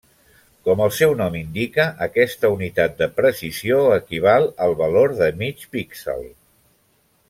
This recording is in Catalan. Com el seu nom indica, aquesta unitat de precisió equival al valor de mig píxel.